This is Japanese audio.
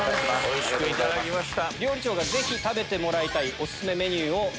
おいしくいただきました。